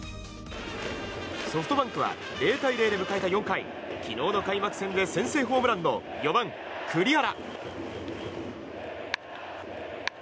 ソフトバンクは０対０で迎えた４回昨日の開幕戦で先制ホームランの４番、栗原。